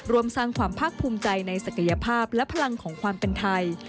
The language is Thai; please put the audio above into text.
รวมสร้างความภาคภูมิใจในศักยภาพและพลังของความเป็นไทย